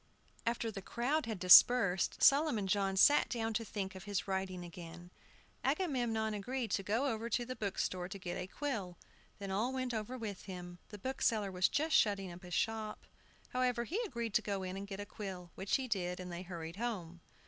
After the crowd had dispersed, Solomon John sat down to think of his writing again. Agamemnon agreed to go over to the bookstore to get a quill. They all went over with him. The bookseller was just shutting up his shop. However, he agreed to go in and get a quill, which he did, and they hurried home.